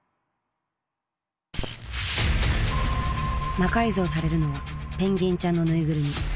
魔改造されるのはペンギンちゃんのぬいぐるみ。